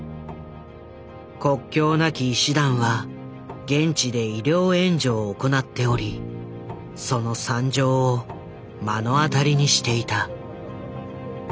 国境なき医師団は現地で医療援助を行っておりその惨状を目の当たりにしていた。